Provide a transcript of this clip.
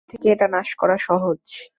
ভেতরে থেকে এটা নাশ করা সহজ।